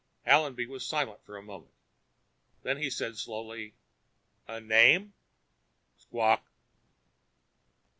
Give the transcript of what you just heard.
_ Allenby was silent for a moment. Then he said slowly, "A name?" _Squawk.